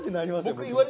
僕。